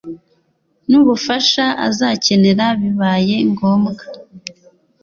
n'ubufasha azakenera bibaye ngombwa.